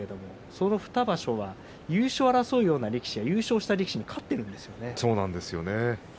その２場所は優勝を争うような力士か、優勝した力士にそうなんですよね。